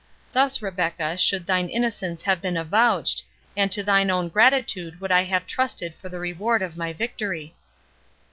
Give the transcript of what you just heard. Thus, Rebecca, should thine innocence have been avouched, and to thine own gratitude would I have trusted for the reward of my victory."